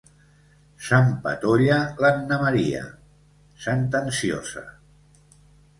S'empatolla l'Anna Maria, sentenciosa.